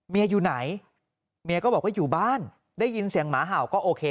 อยู่ไหนเมียก็บอกว่าอยู่บ้านได้ยินเสียงหมาเห่าก็โอเค